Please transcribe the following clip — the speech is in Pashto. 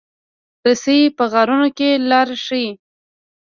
رسۍ په غارونو کې لار ښيي.